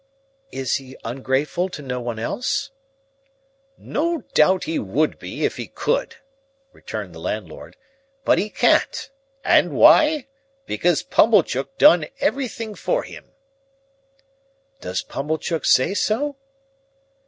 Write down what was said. "Is he ungrateful to no one else?" "No doubt he would be, if he could," returned the landlord, "but he can't. And why? Because Pumblechook done everything for him." "Does Pumblechook say so?"